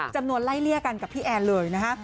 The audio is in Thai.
จำนวนไล่เลี่ยกันกับพี่แอนเลยนะฮะ